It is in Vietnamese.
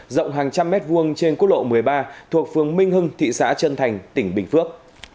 rộng hàng trăm mét vuông trên quốc lộ một mươi ba thuộc phường minh hưng thị xã trân thành tỉnh bình phước